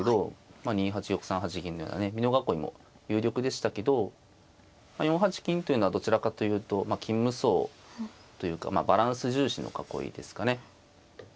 まあ２八玉３八銀のようなね美濃囲いも有力でしたけど４八金というのはどちらかというと金無双というかバランス重視の囲いですかね。